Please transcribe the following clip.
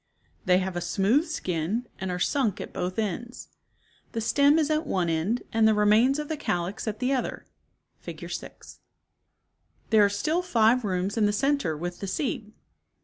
30 They have a smooth skin, and are sunk at both ends. The stem is at one end and the remains of the calyx at the other (Fig. 6). There are still five rooms in the center with the seed.